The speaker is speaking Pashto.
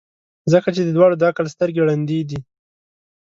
ځکه چي د دواړو د عقل سترګي ړندې دي.